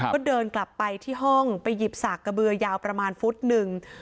ก็เดินกลับไปที่ห้องไปหยิบสากกระเบือยาวประมาณฟุตหนึ่ง